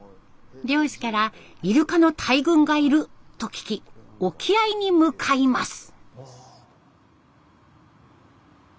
漁師から「イルカの大群がいる」と聞き沖合に向かいます。